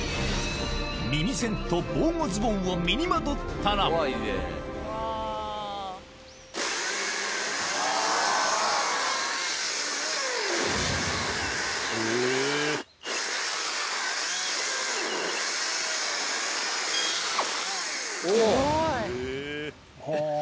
耳栓と防護ズボンを身にまとったらお。